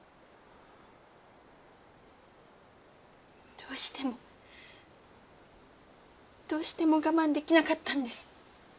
どうしてもどうしても我慢できなかったんです。